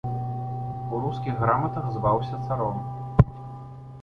У рускіх граматах зваўся царом.